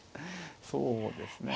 そうですね。